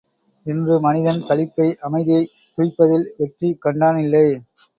இன்று மனிதன் களிப்பை அமைதியைத் துய்ப்பதில் வெற்றி கண்டானில்லை.